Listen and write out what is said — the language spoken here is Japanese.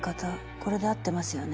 これで合ってますよね？